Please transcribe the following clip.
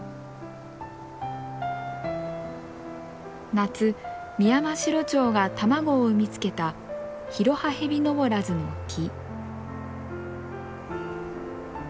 夏ミヤマシロチョウが卵を産みつけたヒロハヘビノボラズの木。